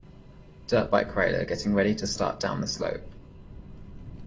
Dirt bike rider getting ready to start down the slope.